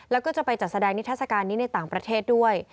แล้วก็จะไปจัดแสดงนิทัศกาลนี้ในต่างประเทศด้วย